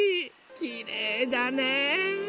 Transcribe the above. きれいだね。